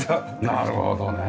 なるほどね。